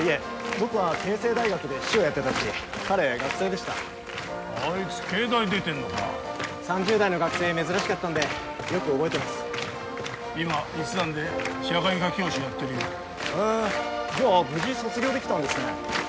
僕は慶政大学で司書やってた時彼学生でしたあいつ慶大出てんのか３０代の学生珍しかったんでよく覚えてます今越山で社会科教師やってるよえっじゃあ無事卒業できたんですね